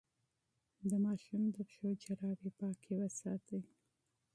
د ماشوم د پښو جرابې پاکې وساتئ.